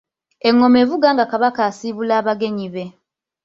Engoma evuga nga Kabaka asiibula abagenyi be.